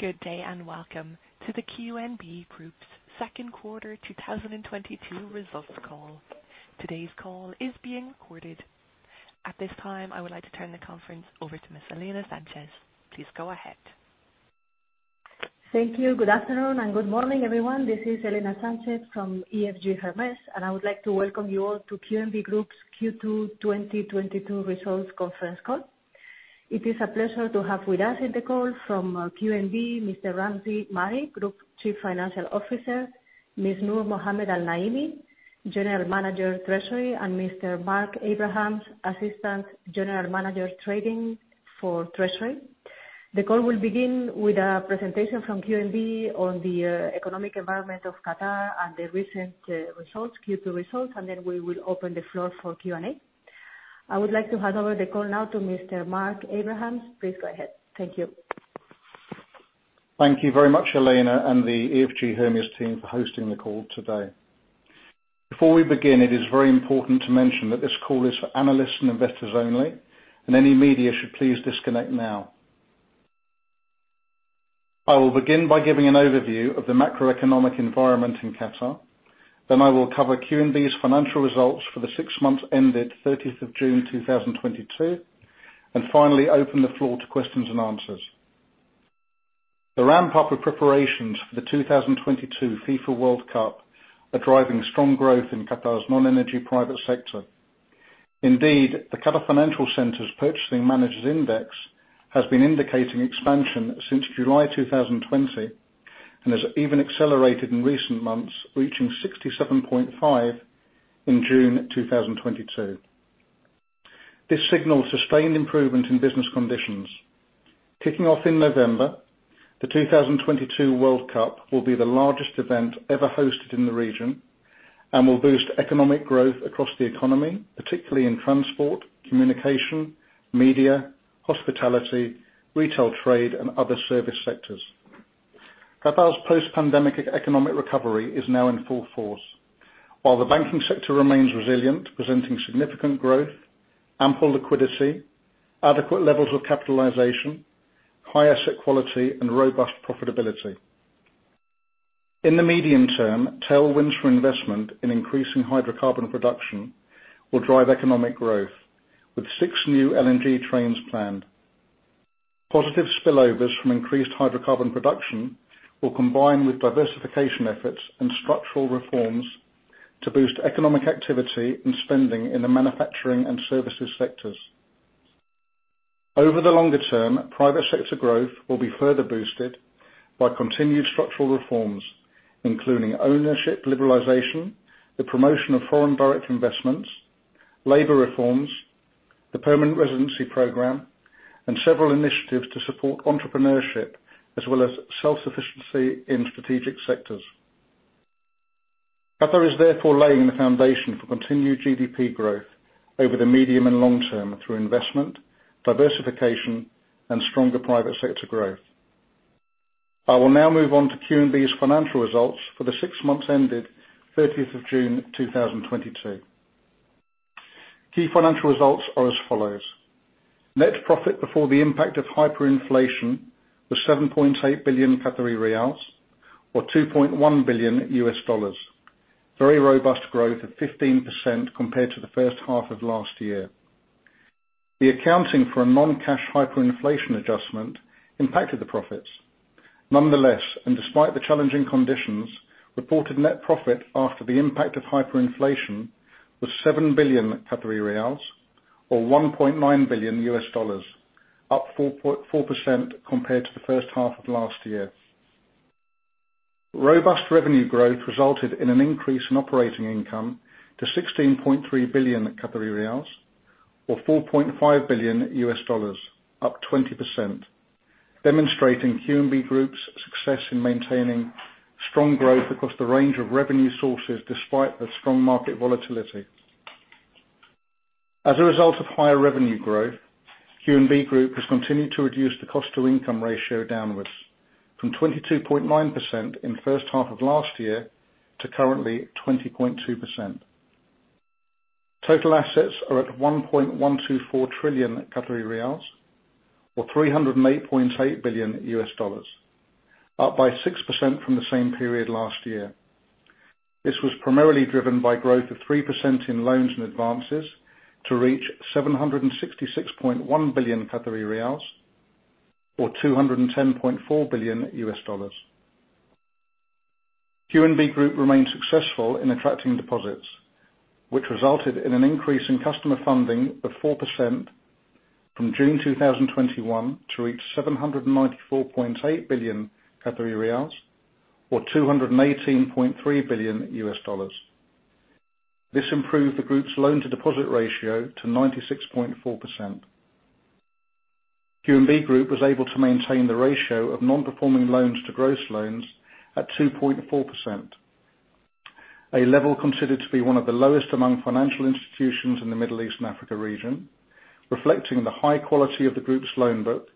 Good day, welcome to the QNB Group's second quarter 2022 results call. Today's call is being recorded. At this time, I would like to turn the conference over to Ms. Elena Sanchez-Cabezudo. Please go ahead. Thank you. Good afternoon and good morning, everyone. This is Elena Sanchez from EFG Hermes, I would like to welcome you all to QNB Group's Q2 2022 results conference call. It is a pleasure to have with us in the call from QNB, Mr. Ramzi Mari, Group Chief Financial Officer, Ms. Noor Mohammed Al-Naimi, General Manager of Treasury, and Mr. Mark Abrahams, Assistant General Manager Trading for Treasury. The call will begin with a presentation from QNB on the economic environment of Qatar and the recent Q2 results, then we will open the floor for Q&A. I would like to hand over the call now to Mr. Mark Abrahams. Please go ahead. Thank you. Thank you very much, Elena and the EFG Hermes team for hosting the call today. Before we begin, it is very important to mention that this call is for analysts and investors only, any media should please disconnect now. I will begin by giving an overview of the macroeconomic environment in Qatar. I will cover QNB's financial results for the six months ended 30th of June 2022, finally open the floor to questions and answers. The ramp-up of preparations for the 2022 FIFA World Cup are driving strong growth in Qatar's non-energy private sector. Indeed, the Qatar Financial Centre's Purchasing Managers' Index has been indicating expansion since July 2020, has even accelerated in recent months, reaching 67.5 in June 2022. This signals sustained improvement in business conditions. Kicking off in November, the 2022 World Cup will be the largest event ever hosted in the region, will boost economic growth across the economy, particularly in transport, communication, media, hospitality, retail trade, and other service sectors. Qatar's post-pandemic economic recovery is now in full force. While the banking sector remains resilient, presenting significant growth, ample liquidity, adequate levels of capitalization, high asset quality, and robust profitability. In the medium term, tailwinds for investment in increasing hydrocarbon production will drive economic growth with six new LNG trains planned. Positive spillovers from increased hydrocarbon production will combine with diversification efforts and structural reforms to boost economic activity and spending in the manufacturing and services sectors. Over the longer term, private sector growth will be further boosted by continued structural reforms, including ownership liberalization, the promotion of foreign direct investments, labor reforms, the permanent residency program, and several initiatives to support entrepreneurship, as well as self-sufficiency in strategic sectors. Qatar is laying the foundation for continued GDP growth over the medium and long term through investment, diversification, and stronger private sector growth. I will now move on to QNB's financial results for the six months ended 30th of June 2022. Key financial results are as follows. Net profit before the impact of hyperinflation was 7.8 billion Qatari riyals, or $2.1 billion, very robust growth of 15% compared to the first half of last year. The accounting for a non-cash hyperinflation adjustment impacted the profits. Nonetheless, despite the challenging conditions, reported net profit after the impact of hyperinflation was 7 billion Qatari riyals, or $1.9 billion, up 4.4% compared to the first half of last year. Robust revenue growth resulted in an increase in operating income to 16.3 billion Qatari riyals, or $4.5 billion, up 20%, demonstrating QNB Group's success in maintaining strong growth across the range of revenue sources despite the strong market volatility. As a result of higher revenue growth, QNB Group has continued to reduce the cost-to-income ratio downwards from 22.9% in the first half of last year to currently 20.2%. Total assets are at 1.124 trillion Qatari riyals, or $308.8 billion, up by 6% from the same period last year. This was primarily driven by growth of 3% in loans and advances to reach 766.1 billion Qatari riyals, or $210.4 billion. QNB Group remained successful in attracting deposits, which resulted in an increase in customer funding of 4% from June 2021 to reach 794.8 billion Qatari riyals, or $218.3 billion. This improved the group's loan-to-deposit ratio to 96.4%. QNB Group was able to maintain the ratio of non-performing loans to gross loans at 2.4%, a level considered to be one of the lowest among financial institutions in the Middle East and Africa region, reflecting the high quality of the group's loan book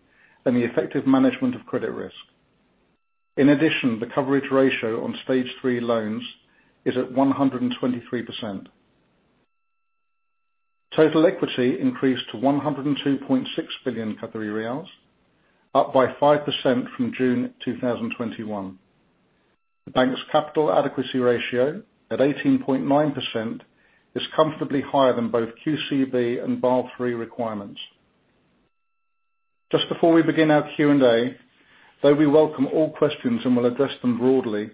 and the effective management of credit risk. In addition, the coverage ratio on stage 3 loans is at 123%. Total equity increased to 102.6 billion Qatari riyals, up by 5% from June 2021. The bank's capital adequacy ratio at 18.9% is comfortably higher than both QCB and Basel III requirements. Just before we begin our Q&A, though we welcome all questions and will address them broadly,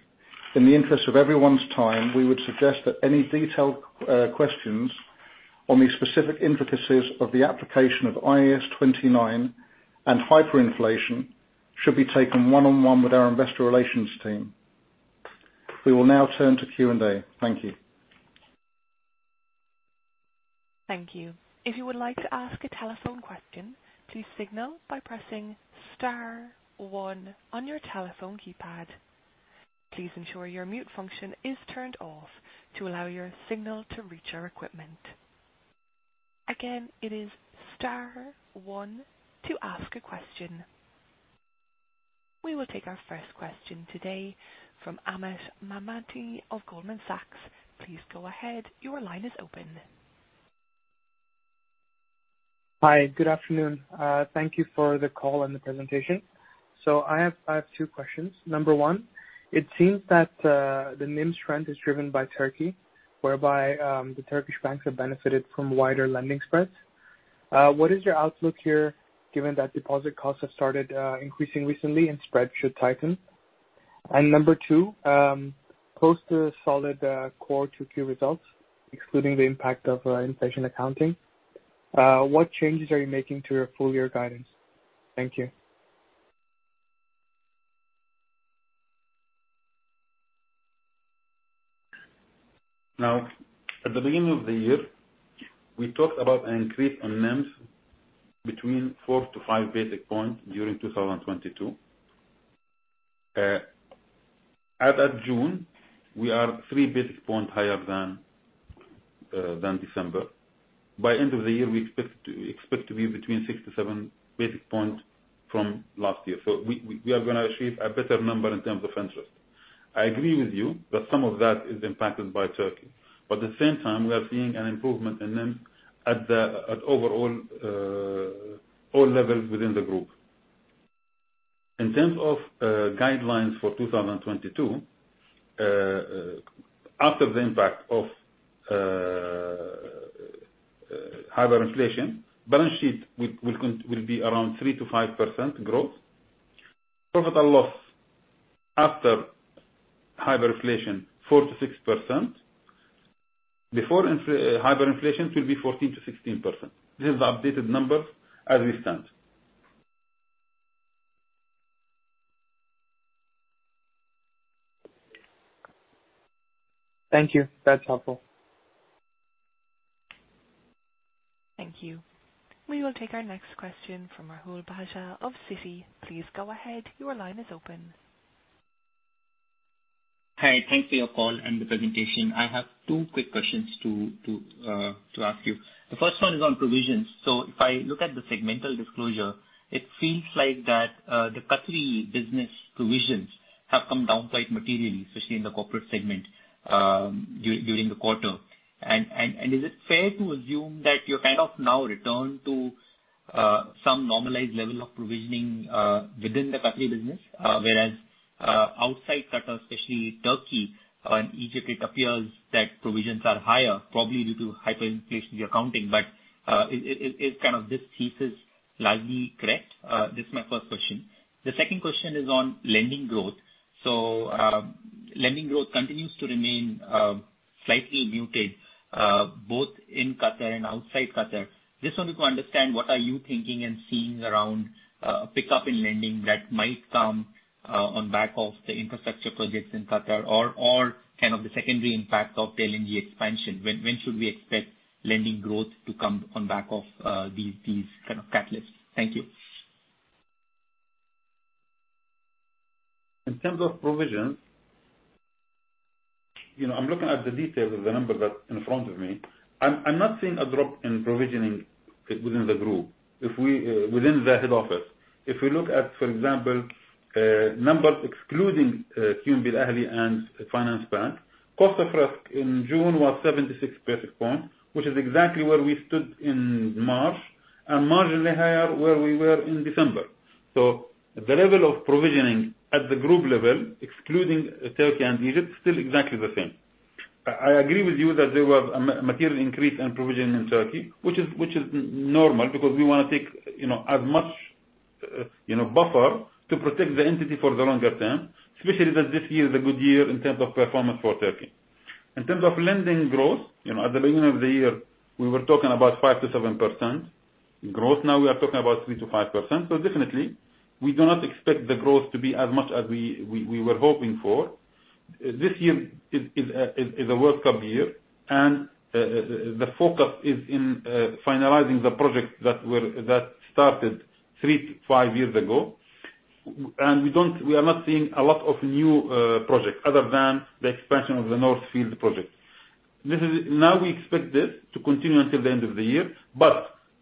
in the interest of everyone's time, we would suggest that any detailed questions on the specific intricacies of the application of IAS 29 and hyperinflation should be taken one-on-one with our investor relations team. We will now turn to Q&A. Thank you. Thank you. If you would like to ask a telephone question, please signal by pressing star one on your telephone keypad. Please ensure your mute function is turned off to allow your signal to reach our equipment. Again, it is star one to ask a question. We will take our first question today from Amit Mamude of Goldman Sachs. Please go ahead. Your line is open. Hi. Good afternoon. Thank you for the call and the presentation. I have two questions. Number one, it seems that the NIM trend is driven by Turkey, whereby, the Turkish banks have benefited from wider lending spreads. What is your outlook here given that deposit costs have started increasing recently and spreads should tighten? Number two, post the solid core Q2Q results, excluding the impact of inflation accounting, what changes are you making to your full year guidance? Thank you. At the beginning of the year, we talked about an increase on NIM between four to five basic points during 2022. As of June, we are three basic points higher than December. By end of the year, we expect to be between six to seven basic points from last year. We are going to achieve a better number in terms of interest. I agree with you that some of that is impacted by Turkey, but at the same time, we are seeing an improvement in NIM at overall all levels within the group. In terms of guidelines for 2022, after the impact of hyperinflation, balance sheet will be around 3%-5% growth. Profit and loss after hyperinflation, 4%-6%. Before hyperinflation, it will be 14%-16%. This is the updated numbers as we stand. Thank you. That's helpful. Thank you. We will take our next question from Rahul Bajaj of Citi. Please go ahead. Your line is open. Hi. Thanks for your call and the presentation. I have 2 quick questions to ask you. The 1st one is on provisions. If I look at the segmental disclosure, it feels like that the Qatari business provisions have come down quite materially, especially in the corporate segment, during the quarter. Is it fair to assume that you're kind of now returned to some normalized level of provisioning within the Qatari business, whereas, outside Qatar, especially Turkey and Egypt, it appears that provisions are higher, probably due to hyperinflationary accounting. Is this thesis largely correct? This is my 1st question. The 2nd question is on lending growth. Lending growth continues to remain slightly muted, both in Qatar and outside Qatar. Just wanted to understand, what are you thinking and seeing around a pickup in lending that might come on back of the infrastructure projects in Qatar or kind of the secondary impact of the LNG expansion? When should we expect lending growth to come on back of these kind of catalysts? Thank you. In terms of provisions, I'm looking at the details of the number that's in front of me. I'm not seeing a drop in provisioning within the group, within the head office. If we look at, for example, numbers excluding QNB Alahli and Finansbank, cost of risk in June was 76 basis points, which is exactly where we stood in March, and marginally higher where we were in December. The level of provisioning at the group level, excluding Turkey and Egypt, still exactly the same. I agree with you that there was a material increase in provisioning in Turkey, which is normal because we want to take as much buffer to protect the entity for the longer term, especially that this year is a good year in terms of performance for Turkey. In terms of lending growth, at the beginning of the year, we were talking about 5%-7% growth. Now we are talking about 3%-5%. So definitely, we do not expect the growth to be as much as we were hoping for. This year is a World Cup year, and the focus is in finalizing the projects that started 3-5 years ago. And we are not seeing a lot of new projects other than the expansion of the North Field project. Now we expect this to continue until the end of the year.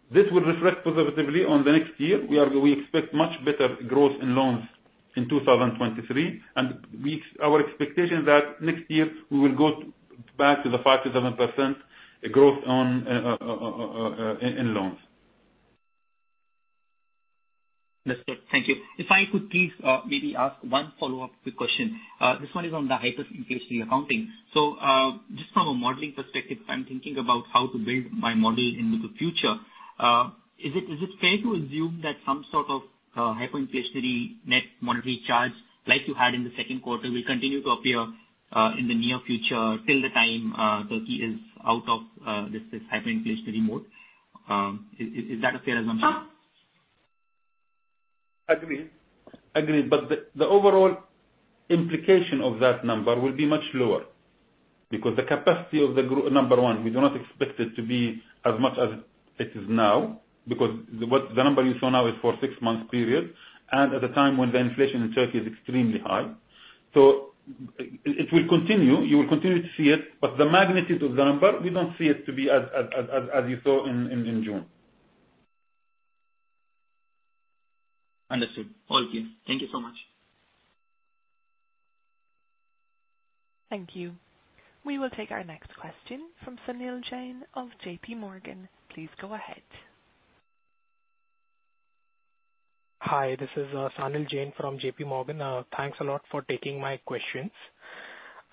This will reflect positively on the next year. We expect much better growth in loans in 2023, and our expectation that next year we will go back to the 5%-7% growth in loans. Understood. Thank you. If I could please maybe ask one follow-up quick question. This one is on the hyperinflationary accounting. So just from a modeling perspective, I'm thinking about how to build my model into the future. Is it fair to assume that some sort of hyperinflationary net monetary charge like you had in the second quarter will continue to appear in the near future till the time Turkey is out of this hyperinflationary mode? Is that a fair assumption? Agreed. The overall implication of that number will be much lower because the capacity of the group, number one, we do not expect it to be as much as it is now because the number you saw now is for six months period and at the time when the inflation in Turkey is extremely high. So it will continue. You will continue to see it, but the magnitude of the number, we don't see it to be as you saw in June. Understood. All clear. Thank you so much. Thank you. We will take our next question from Sunil Jain of JP Morgan. Please go ahead. Hi, this is Sunil Jain from JP Morgan. Thanks a lot for taking my questions.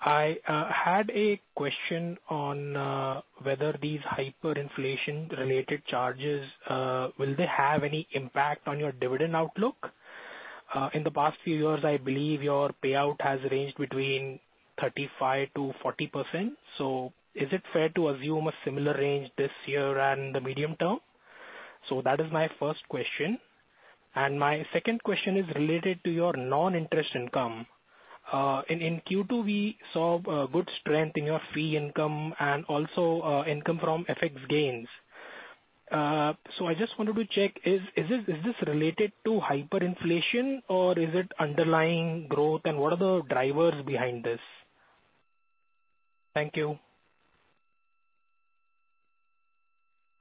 I had a question on whether these hyperinflation-related charges, will they have any impact on your dividend outlook? In the past few years, I believe your payout has ranged between 35%-40%. Is it fair to assume a similar range this year and the medium term? That is my first question. My second question is related to your non-interest income. In Q2, we saw good strength in your fee income and also income from FX gains. I just wanted to check, is this related to hyperinflation or is it underlying growth? What are the drivers behind this? Thank you.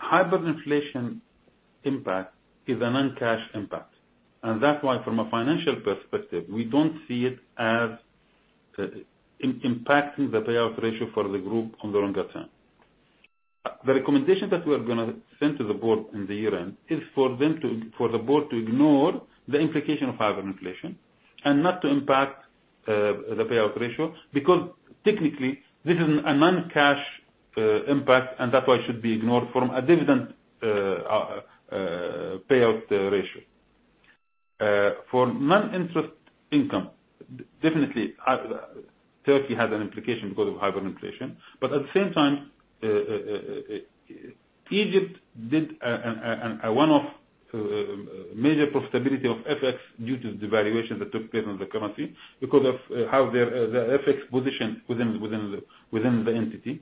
Hyperinflation impact is a non-cash impact. That's why from a financial perspective, we don't see it as impacting the payout ratio for the group on the longer term. The recommendation that we are going to send to the board in the year-end is for the board to ignore the implication of hyperinflation and not to impact the payout ratio. Because technically, this is a non-cash impact, and that's why it should be ignored from a dividend payout ratio. For non-interest income, definitely, Turkey has an implication because of hyperinflation. At the same time, Egypt did a one-off major profitability of FX due to the valuation that took place on the currency because of how their FX position within the entity.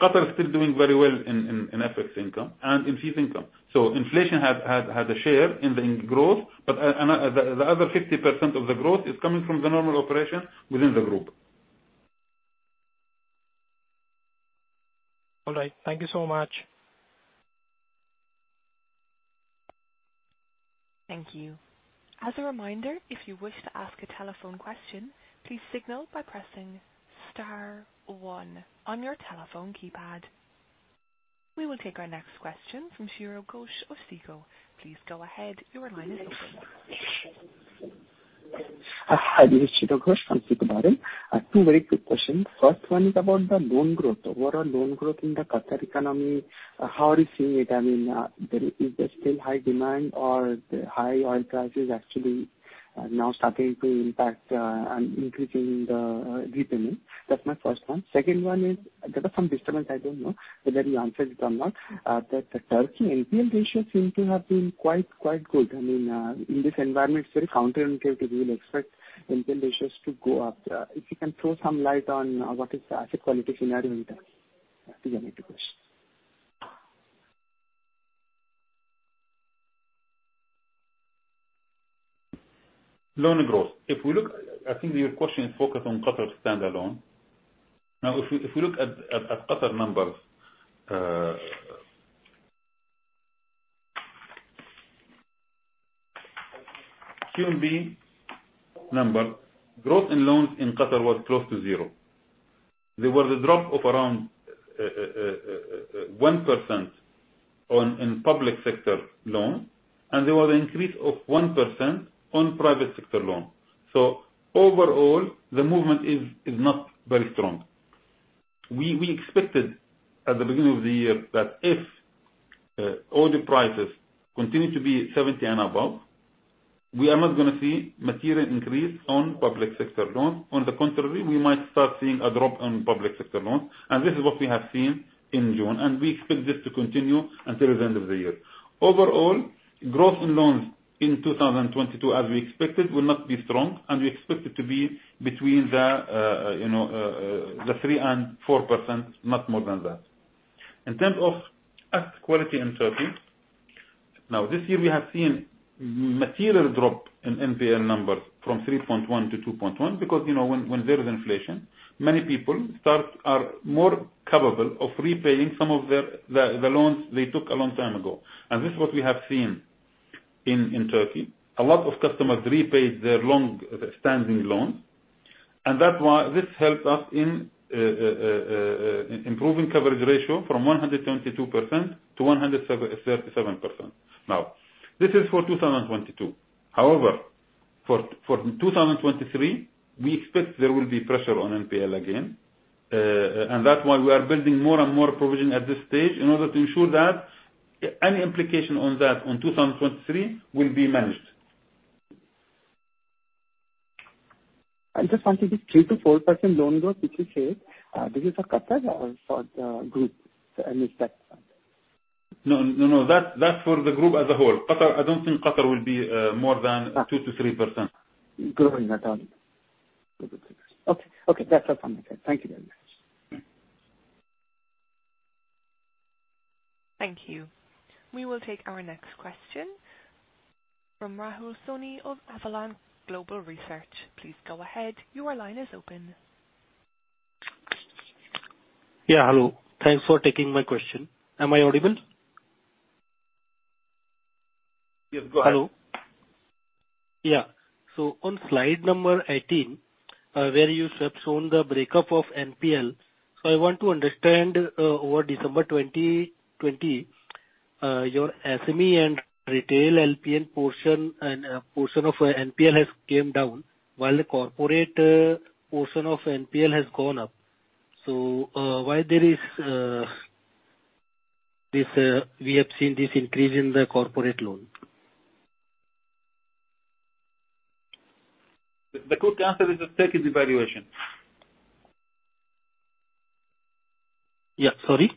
Qatar is still doing very well in FX income and in fee income. Inflation had a share in growth, but the other 50% of the growth is coming from the normal operation within the group. All right. Thank you so much. Thank you. As a reminder, if you wish to ask a telephone question, please signal by pressing star one on your telephone keypad. We will take our next question from Chiradeep Ghosh of SICO. Please go ahead. Your line is open. Hi, this is Chiradeep Ghosh from SICO Bahrain. Two very quick questions. First one is about the loan growth. Overall loan growth in the Qatar economy, how are you seeing it? Is there still high demand or the high oil prices actually are now starting to impact and increasing the repayment? That's my first one. Second one is, there was some disturbance, I don't know whether you answered it or not, that the Turkey NPL ratio seem to have been quite good. In this environment, it's very counterintuitive. You will expect NPL ratios to go up. If you can throw some light on what is the asset quality scenario in Turkey. These are my two questions. Loan growth. I think your question is focused on Qatar standalone. If we look at Qatar numbers, QNB number, growth in loans in Qatar was close to zero. There was a drop of around 1% in public sector loans, and there was an increase of 1% on private sector loans. Overall, the movement is not very strong. We expected at the beginning of the year that if oil prices continue to be 70 and above, we are not going to see material increase on public sector loans. On the contrary, we might start seeing a drop on public sector loans, and this is what we have seen in June, and we expect this to continue until the end of the year. Overall, growth in loans in 2022, as we expected, will not be strong, and we expect it to be between the 3% and 4%, not more than that. In terms of asset quality in Turkey. This year we have seen material drop in NPL numbers from 3.1% to 2.1% because when there is inflation, many people are more capable of repaying some of the loans they took a long time ago. This is what we have seen in Turkey. A lot of customers repaid their long-standing loans, and this helped us in improving coverage ratio from 122% to 137%. This is for 2022. However, for 2023, we expect there will be pressure on NPL again. That's why we are building more and more provision at this stage in order to ensure that any implication on that on 2023 will be managed. I just wanted, this 3%-4% loan growth which you said, this is for Qatar or for the group? I missed that. No, that's for the group as a whole. Qatar, I don't think Qatar will be more than 2%-3%. Growing at only 2%-3%. Okay. That's all from my side. Thank you very much. Thank you. We will take our next question from Rahul Soni of Avalon Global Research. Please go ahead. Your line is open. Yeah, hello. Thanks for taking my question. Am I audible? Yes, go ahead. Hello. On slide number 18, where you have shown the breakup of NPL. I want to understand, over December 2020, your SME and retail NPL portion and portion of NPL has come down while the corporate portion of NPL has gone up. Why we have seen this increase in the corporate loan? The quick answer is the Turkish devaluation. Sorry?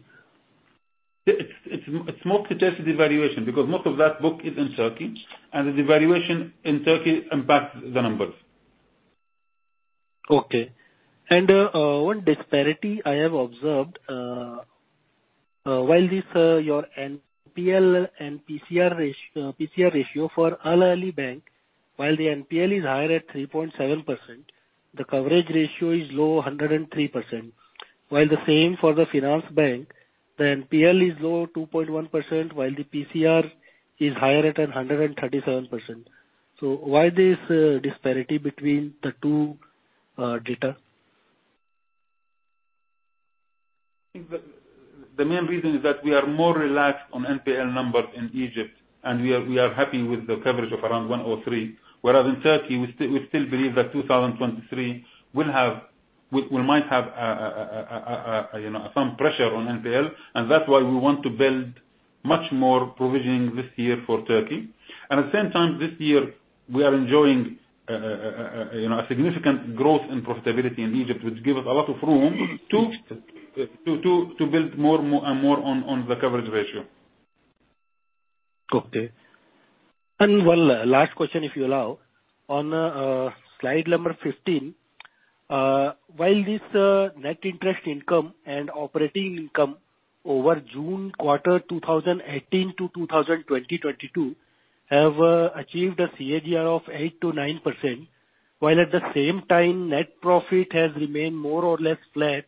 It's more Turkish devaluation because most of that book is in Turkey, and the devaluation in Turkey impacts the numbers. Okay. One disparity I have observed, while this, your NPL and PCR ratio for Al Ahli Bank, while the NPL is higher at 3.7%, the coverage ratio is low, 103%. While the same for the Finansbank, the NPL is low, 2.1%, while the PCR is higher at 137%. Why this disparity between the two data? I think the main reason is that we are more relaxed on NPL numbers in Egypt, and we are happy with the coverage of around 103%. Whereas in Turkey, we still believe that 2023, we might have some pressure on NPL, and that's why we want to build much more provisioning this year for Turkey. At the same time this year, we are enjoying a significant growth in profitability in Egypt, which give us a lot of room to build more and more on the coverage ratio. Okay. One last question, if you allow. On slide number 15, while this Net Interest Income and operating income over June quarter 2018-2022 have achieved a CAGR of 8%-9%, while at the same time net profit has remained more or less flat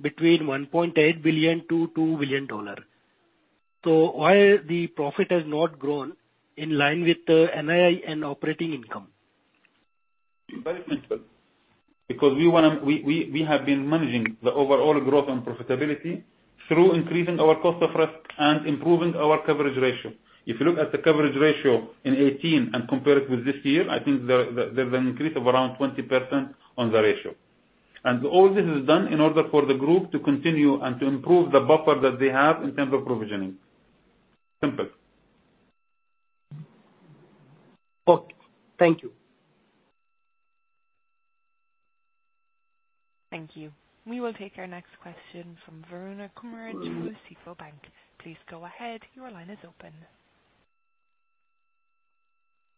between QAR 1.8 billion-QAR 2 billion. Why the profit has not grown in line with the NII and operating income? Very simple. We have been managing the overall growth and profitability through increasing our cost of risk and improving our coverage ratio. If you look at the coverage ratio in 2018 and compare it with this year, I think there's an increase of around 20% on the ratio. All this is done in order for the group to continue and to improve the buffer that they have in terms of provisioning. Simple. Okay. Thank you. Thank you. We will take our next question from Varun Kumar from Seafore Bank. Please go ahead. Your line is open.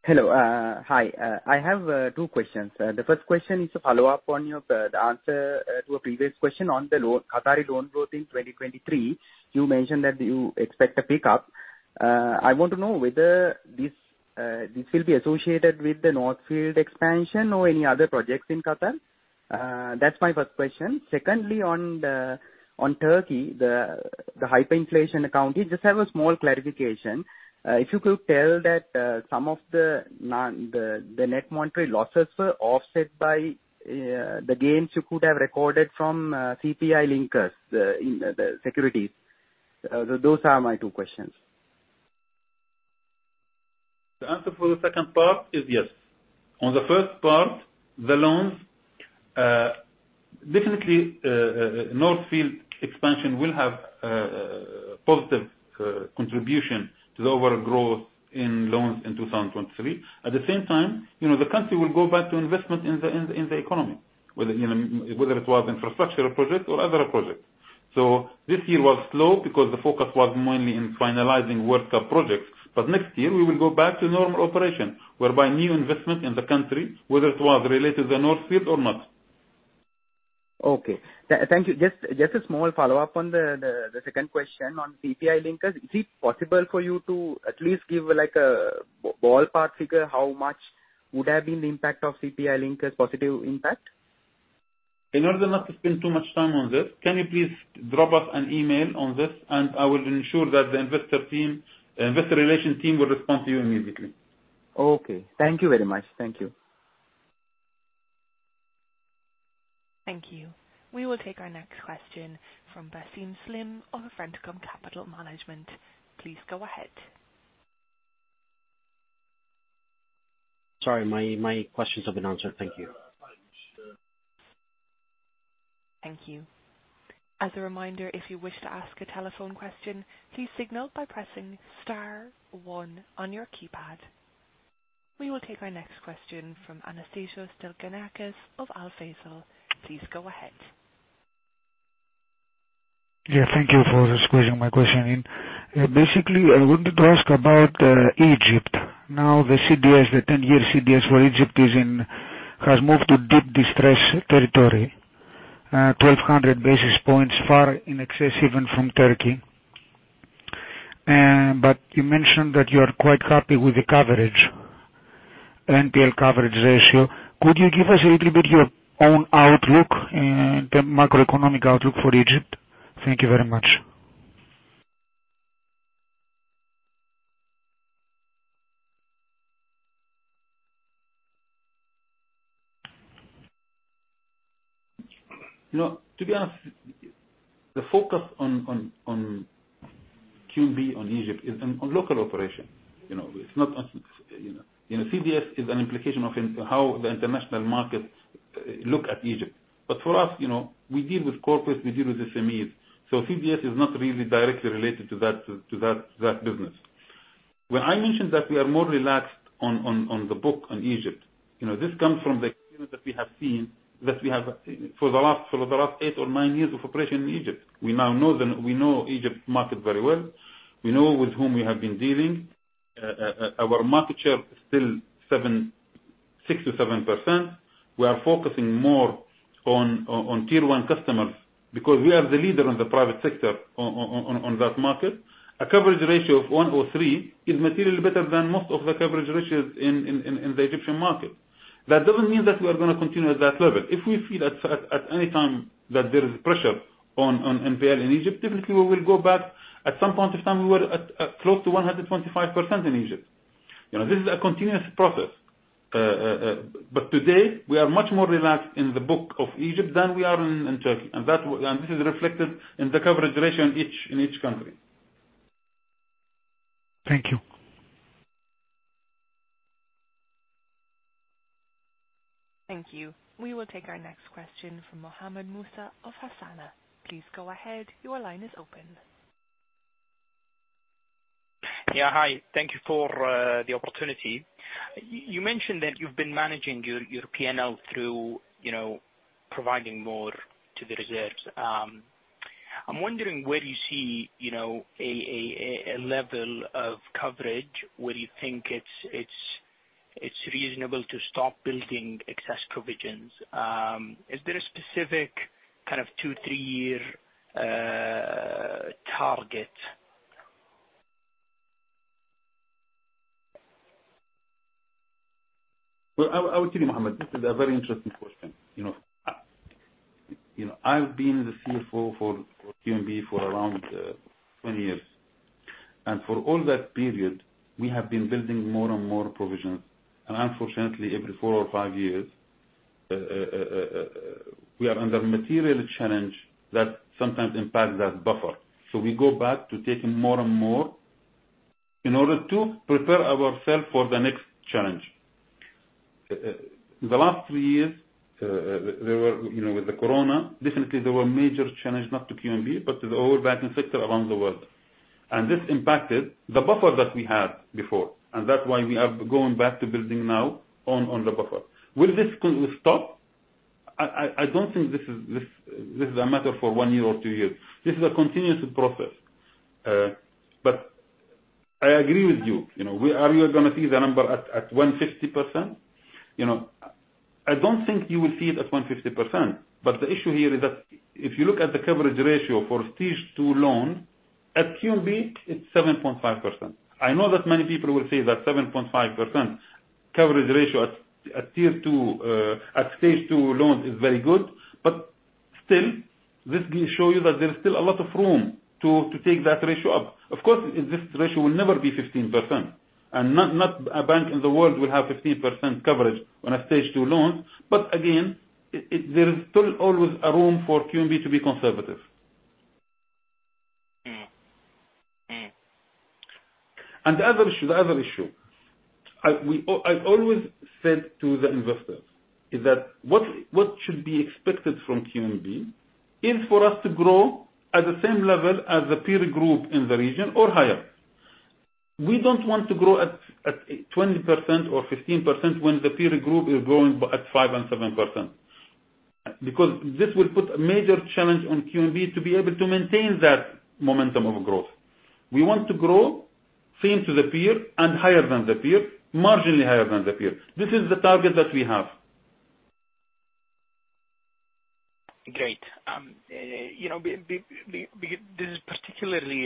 Hello. Hi. I have two questions. The first question is to follow up on your answer to a previous question on the Qatari loan growth in 2023. You mentioned that you expect a pickup. I want to know whether this will be associated with the North Field expansion or any other projects in Qatar. That's my first question. Secondly, on Turkey, the hyperinflation account, I just have a small clarification. If you could tell that some of the net monetary losses were offset by the gains you could have recorded from CPI linkers, in the securities. Those are my two questions. The answer for the second part is yes. On the first part, the loans, definitely, North Field expansion will have a positive contribution to the overall growth in loans in 2023. At the same time, the country will go back to investment in the economy. Whether it was infrastructure projects or other projects. This year was slow because the focus was mainly in finalizing World Cup projects. Next year, we will go back to normal operation, whereby new investment in the country, whether it was related to North Field or not Okay. Thank you. Just a small follow-up on the second question on CPI linkers. Is it possible for you to at least give a ballpark figure, how much would have been the impact of CPI linkers, positive impact? In order not to spend too much time on this, can you please drop us an email on this. I will ensure that the investor relation team will respond to you immediately. Okay. Thank you very much. Thank you. Thank you. We will take our next question from Basim Slim of Fentacom Capital Management. Please go ahead. Sorry, my questions have been answered. Thank you. Thank you. As a reminder, if you wish to ask a telephone question, please signal by pressing star one on your keypad. We will take our next question from Anastasios Deliganakis of AlphaValue. Please go ahead. Yeah, thank you for squeezing my question in. Basically, I wanted to ask about Egypt. Now, the CDS, the 10-year CDS for Egypt has moved to deep distress territory. 1,200 basis points far in excess even from Turkey. You mentioned that you are quite happy with the coverage, NPL coverage ratio. Could you give us a little bit your own outlook and the macroeconomic outlook for Egypt? Thank you very much. To be honest, the focus on QNB on Egypt is on local operation. CDS is an implication of how the international markets look at Egypt. For us, we deal with corporates, we deal with SMEs. CDS is not really directly related to that business. When I mentioned that we are more relaxed on the book on Egypt, this comes from the experience that we have seen for the last 8 or 9 years of operation in Egypt. We know Egypt market very well. We know with whom we have been dealing. Our market share is still 6% to 7%. We are focusing more on tier 1 customers because we are the leader in the private sector on that market. A coverage ratio of 103 is materially better than most of the coverage ratios in the Egyptian market. That doesn't mean that we are going to continue at that level. If we feel at any time that there is pressure on NPL in Egypt, definitely we will go back. At some point of time, we were at close to 125% in Egypt. This is a continuous process. Today, we are much more relaxed in the book of Egypt than we are in Turkey. This is reflected in the coverage ratio in each country. Thank you. Thank you. We will take our next question from Mohammed Musa of Hassana. Please go ahead. Your line is open. Yeah, hi. Thank you for the opportunity. You mentioned that you've been managing your P&L through providing more to the reserves. I'm wondering where you see a level of coverage where you think it's reasonable to stop building excess provisions. Is there a specific kind of two, three-year target? I will tell you, Mohammed, this is a very interesting question. I've been the CFO for QNB for around 20 years. For all that period, we have been building more and more provisions. Unfortunately, every four or five years, we are under material challenge that sometimes impacts that buffer. So we go back to taking more and more in order to prepare ourselves for the next challenge. The last three years, with the corona, definitely there were major challenge, not to QNB, but to the whole banking sector around the world. This impacted the buffer that we had before, and that's why we are going back to building now on the buffer. Will this stop? I don't think this is a matter for one year or two years. This is a continuous process. But I agree with you. Are we going to see the number at 150%? I don't think you will see it at 150%, the issue here is that if you look at the coverage ratio for stage 2 loan, at QNB, it's 7.5%. I know that many people will say that 7.5% coverage ratio at stage 2 loans is very good, still, this will show you that there is still a lot of room to take that ratio up. Of course, this ratio will never be 15%, not a bank in the world will have 15% coverage on a stage 2 loan. Again, there is still always a room for QNB to be conservative. The other issue, I've always said to the investors is that what should be expected from QNB is for us to grow at the same level as the peer group in the region or higher. We don't want to grow at 20% or 15% when the peer group is growing at 5% and 7%, because this will put a major challenge on QNB to be able to maintain that momentum of growth. We want to grow Same to the peer and higher than the peer, marginally higher than the peer. This is the target that we have. Great. This is particularly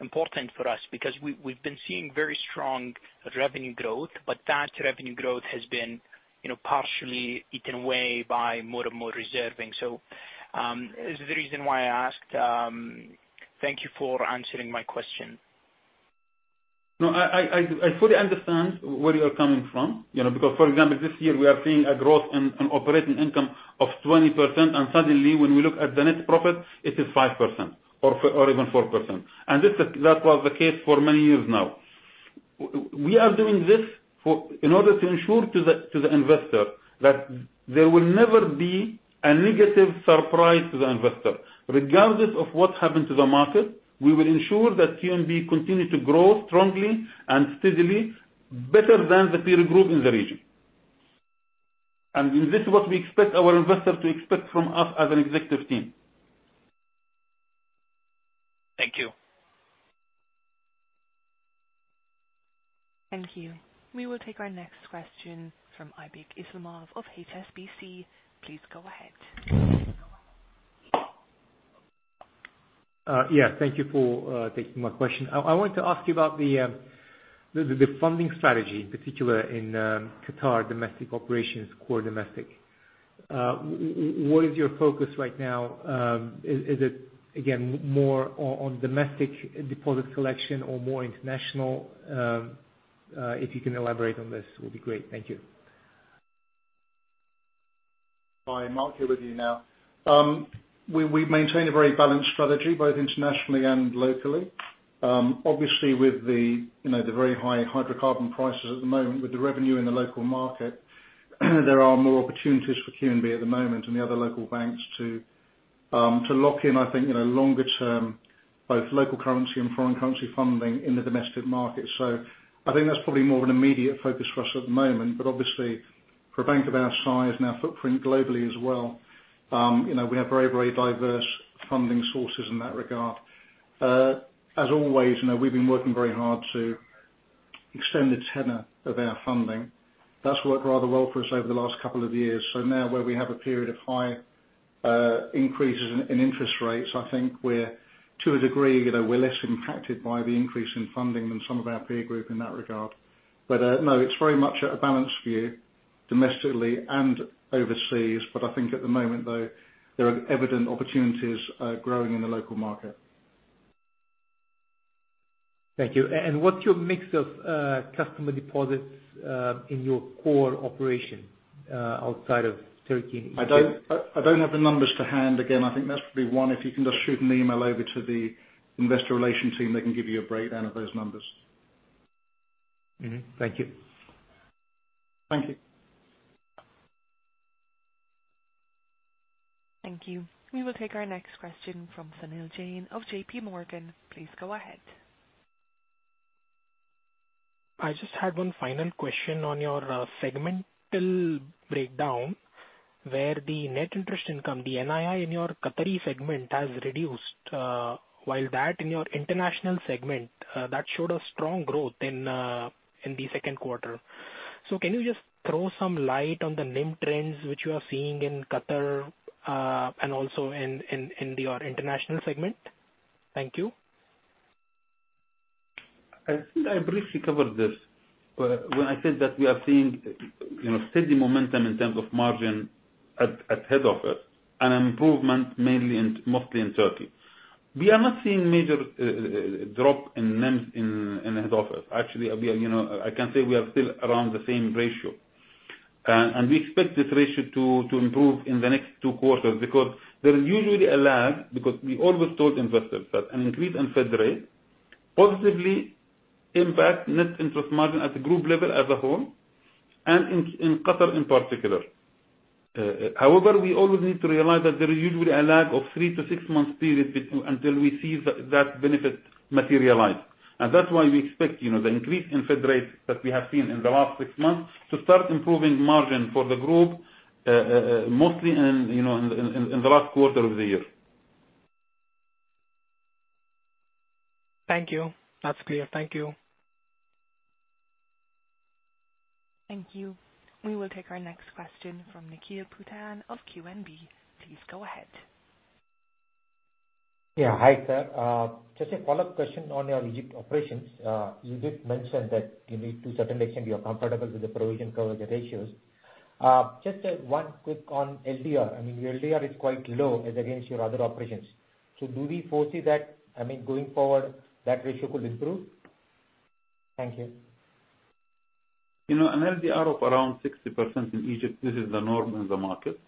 important for us because we've been seeing very strong revenue growth, but that revenue growth has been partially eaten away by more and more reserving. This is the reason why I asked. Thank you for answering my question. No, I fully understand where you're coming from. For example, this year we are seeing a growth in operating income of 20%, and suddenly when we look at the net profit, it is 5% or even 4%. That was the case for many years now. We are doing this in order to ensure to the investor that there will never be a negative surprise to the investor. Regardless of what happened to the market, we will ensure that QNB continue to grow strongly and steadily better than the peer group in the region. This is what we expect our investor to expect from us as an executive team. Thank you. Thank you. We will take our next question from Aybek Islamov of HSBC. Please go ahead. Yeah, thank you for taking my question. I want to ask you about the funding strategy, in particular in Qatar domestic operations, core domestic. What is your focus right now? Is it, again, more on domestic deposit collection or more international? If you can elaborate on this, will be great. Thank you. Hi, Mark here with you now. We maintain a very balanced strategy, both internationally and locally. Obviously, with the very high hydrocarbon prices at the moment with the revenue in the local market, there are more opportunities for QNB at the moment and the other local banks to lock in, I think, longer term, both local currency and foreign currency funding in the domestic market. I think that's probably more of an immediate focus for us at the moment. Obviously, for a bank of our size and our footprint globally as well, we have very diverse funding sources in that regard. As always, we've been working very hard to extend the tenor of our funding. That's worked rather well for us over the last couple of years. Now where we have a period of high increases in interest rates, I think we're to a degree, we're less impacted by the increase in funding than some of our peer group in that regard. No, it's very much at a balanced view domestically and overseas. I think at the moment though, there are evident opportunities growing in the local market. Thank you. What's your mix of customer deposits in your core operation, outside of Turkey and Egypt? I don't have the numbers to hand. Again, I think that's probably one, if you can just shoot an email over to the investor relation team, they can give you a breakdown of those numbers. Thank you. Thank you. Thank you. We will take our next question from Sunil Jain of JP Morgan. Please go ahead. I just had one final question on your segmental breakdown where the net interest income, the NII in your Qatari segment has reduced, while that in your international segment, that showed a strong growth in the second quarter. Can you just throw some light on the NIM trends which you are seeing in Qatar, and also in your international segment? Thank you. I think I briefly covered this, when I said that we are seeing steady momentum in terms of margin at head office and improvement mostly in Turkey. We are not seeing major drop in NIMs in head office. Actually, I can say we are still around the same ratio. We expect this ratio to improve in the next two quarters because there is usually a lag, because we always told investors that an increase in Fed rate positively impact net interest margin at the group level as a whole, and in Qatar in particular. We always need to realize that there is usually a lag of three to six months period until we see that benefit materialize. That's why we expect the increase in Fed rate that we have seen in the last six months to start improving margin for the group, mostly in the last quarter of the year. Thank you. That's clear. Thank you. Thank you. We will take our next question from Nikhil Phutane of QNB. Please go ahead. Hi, sir. Just a follow-up question on your Egypt operations. You did mention that you need to a certain extent, you are comfortable with the provision coverage ratios. Just one quick on LDR. I mean, your LDR is quite low as against your other operations. Do we foresee that, going forward, that ratio could improve? Thank you. An LDR of around 60% in Egypt, this is the norm in the market.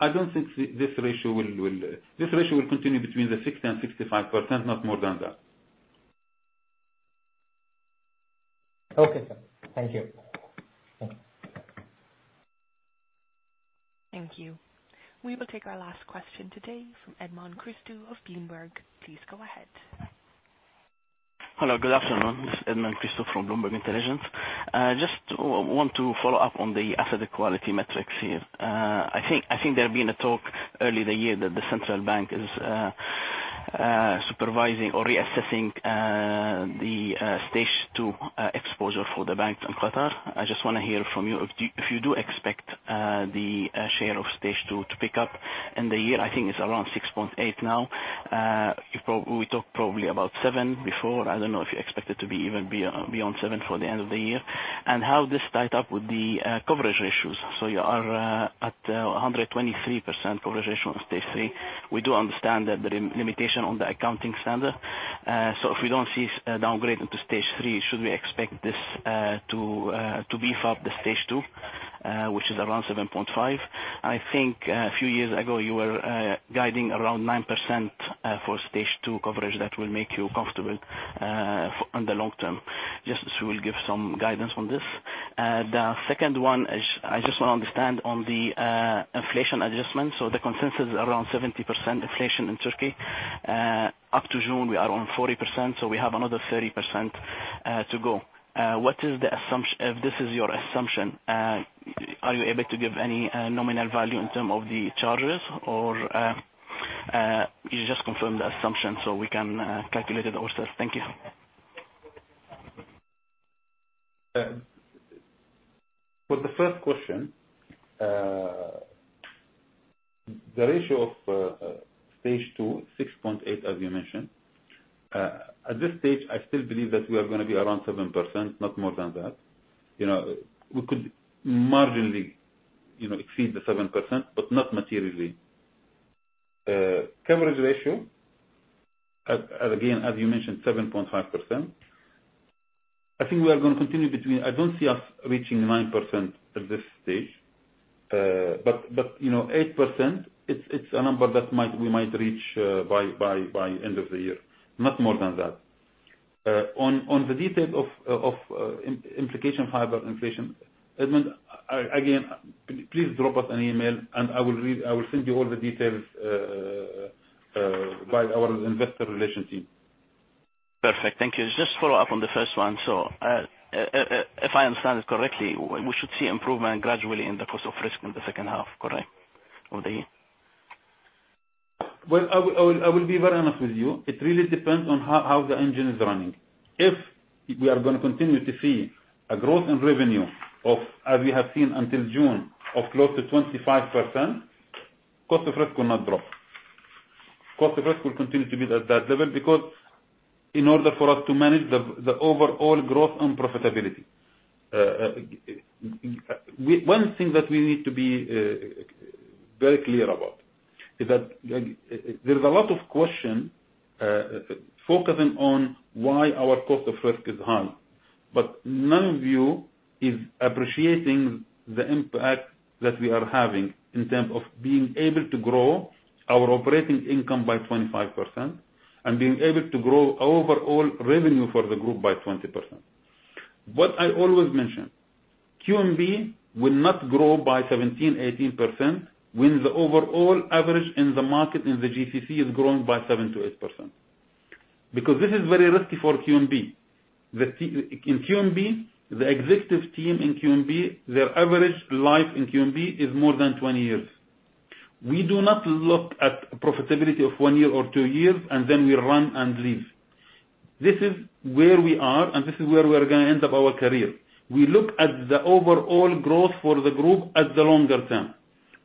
I don't think this ratio will continue between the 60% and 65%, not more than that. Okay, sir. Thank you. Thank you. We will take our last question today from Edmond Christou of Bloomberg. Please go ahead. Hello, good afternoon. This is Edmond Christou from Bloomberg Intelligence. Want to follow up on the asset quality metrics here. I think there have been a talk early the year that the central bank is supervising or reassessing the stage 2 exposure for the banks in Qatar. I want to hear from you if you do expect the share of stage 2 to pick up in the year. I think it's around 6.8 now. We talked probably about seven before. I don't know if you expect it to be even beyond seven for the end of the year. How this tied up with the coverage ratios. You are at 123% coverage ratio on stage 3. We do understand that there are limitation on the accounting standard. If we don't see a downgrade into stage 3, should we expect this to beef up the stage 2, which is around 7.5? I think a few years ago you were guiding around 9% for stage 2 coverage that will make you comfortable on the long term. We'll give some guidance on this. The second one is I want to understand on the inflation adjustment. The consensus is around 70% inflation in Turkey. Up to June, we are on 40%, so we have another 30% to go. If this is your assumption, are you able to give any nominal value in term of the charges, or you just confirm the assumption so we can calculate it ourselves. Thank you. For the first question, the ratio of stage 2 is 6.8, as you mentioned. At this stage, I still believe that we are going to be around 7%, not more than that. We could marginally exceed the 7%, but not materially. Coverage ratio, again, as you mentioned, 7.5%. I don't see us reaching 9% at this stage. 8%, it's a number that we might reach by end of the year, not more than that. On the detail of implication of hyperinflation, Edmund, again, please drop us an email and I will send you all the details via our investor relation team. Perfect. Thank you. Just follow up on the first one. If I understand it correctly, we should see improvement gradually in the cost of risk in the second half, correct? Of the year. Well, I will be very honest with you. It really depends on how the engine is running. If we are going to continue to see a growth in revenue of, as we have seen until June, of close to 25%, cost of risk will not drop. Cost of risk will continue to be at that level, because in order for us to manage the overall growth and profitability. One thing that we need to be very clear about, is that there's a lot of question focusing on why our cost of risk is high, but none of you is appreciating the impact that we are having in terms of being able to grow our operating income by 25% and being able to grow overall revenue for the group by 20%. What I always mention, QNB will not grow by 17%-18%, when the overall average in the market in the GCC is growing by 7%-8%. This is very risky for QNB. In QNB, the executive team in QNB, their average life in QNB is more than 20 years. We do not look at profitability of one year or two years, and then we run and leave. This is where we are, and this is where we are going to end up our career. We look at the overall growth for the group at the longer term.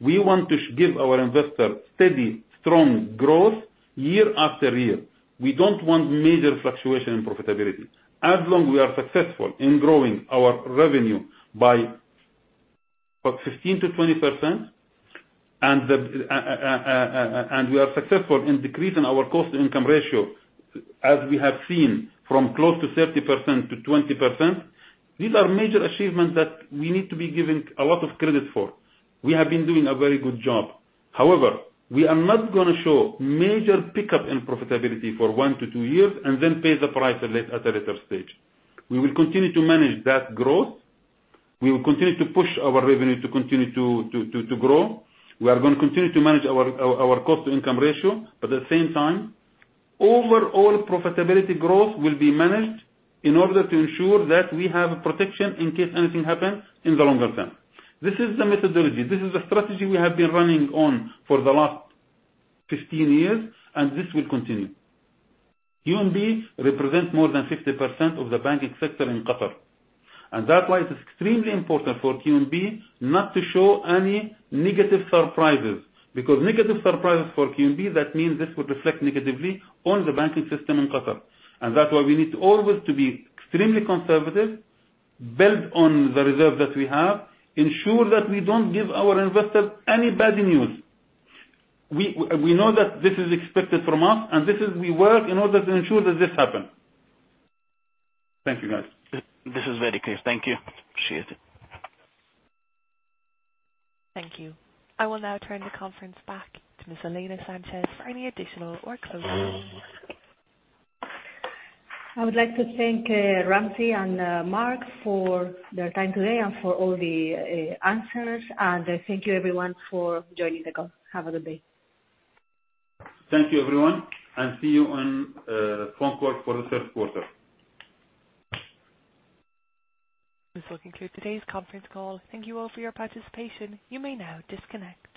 We want to give our investor steady, strong growth year after year. We don't want major fluctuation in profitability. As long we are successful in growing our revenue by about 15%-20% and we are successful in decreasing our cost-to-income ratio, as we have seen, from close to 30%-20%, these are major achievements that we need to be given a lot of credit for. We have been doing a very good job. However, we are not going to show major pickup in profitability for one to two years and then pay the price at a later stage. We will continue to manage that growth. We will continue to push our revenue to continue to grow. We are going to continue to manage our cost-to-income ratio. At the same time, overall profitability growth will be managed in order to ensure that we have protection in case anything happens in the longer term. This is the methodology. This is the strategy we have been running on for the last 15 years. This will continue. QNB represents more than 50% of the banking sector in Qatar, and that why it is extremely important for QNB not to show any negative surprises, because negative surprises for QNB, that means this would reflect negatively on the banking system in Qatar. That why we need to always to be extremely conservative, build on the reserve that we have, ensure that we don't give our investors any bad news. We know that this is expected from us, and this is we work in order to ensure that this happen. Thank you, guys. This is very clear. Thank you. Appreciate it. Thank you. I will now turn the conference back to Ms. Elena Sanchez for any additional or closing remarks. I would like to thank Ramzi and Mark for their time today and for all the answers. Thank you everyone for joining the call. Have a good day. Thank you everyone, and see you on the phone call for the third quarter. This will conclude today's conference call. Thank you all for your participation. You may now disconnect.